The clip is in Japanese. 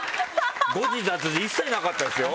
誤字脱字一切なかったですよ。